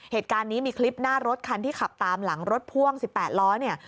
เหตุการณ์นี้มีคลิปหน้ารถคันที่ขับตามหลังรถพ่วง๑๘ล้อเนี่ย